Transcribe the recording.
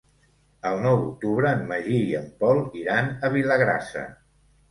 El nou d'octubre en Magí i en Pol iran a Vilagrassa.